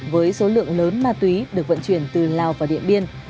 với số lượng lớn ma túy được vận chuyển từ lào vào điện biên